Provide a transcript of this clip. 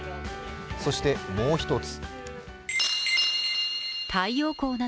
そしてもう一つ。